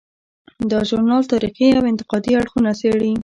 دا ژورنال تاریخي او انتقادي اړخونه څیړي.